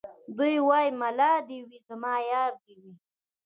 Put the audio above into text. دی وايي ملا دي وي زما يار دي وي